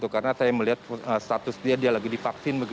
karena saya melihat status dia dia lagi divaksin